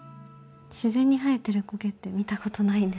自然に生えてる苔って見たことないんですけど。